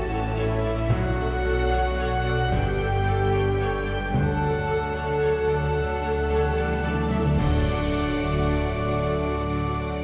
โปรดติดตามตอนต่อไป